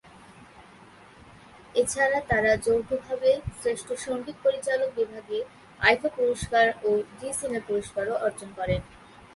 এছাড়া তারা যৌথভাবে শ্রেষ্ঠ সঙ্গীত পরিচালক বিভাগে আইফা পুরস্কার ও জি সিনে পুরস্কারও অর্জন করেন।